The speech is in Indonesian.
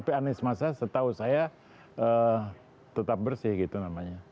tapi anies masa setahu saya tetap bersih gitu namanya